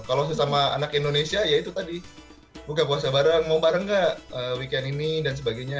kalau sesama anak indonesia ya itu tadi buka puasa bareng mau bareng gak weekend ini dan sebagainya